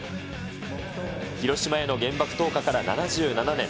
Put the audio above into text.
広島への原爆投下から７７年。